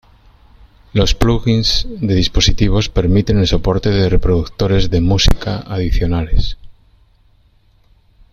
Los "plugins" de dispositivos permiten el soporte de reproductores de música adicionales.